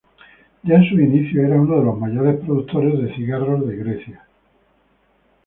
Ya en sus inicios era uno de los mayores productores de cigarros de Grecia.